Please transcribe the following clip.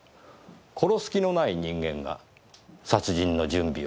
殺す気のない人間が殺人の準備をしていた。